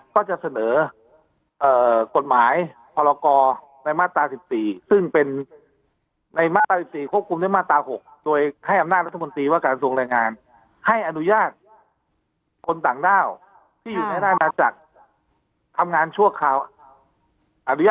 ก็จะเสนอกฎหมายพละกอบในมาตรศิลปีซึ่งเป็นในมาตรศิลปีควบคุมได้มาตรศิษย์๖